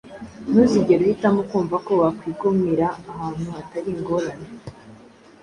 Ntuzigere uhitamo kumva ko wakwigumira ahantu hatari ingorane,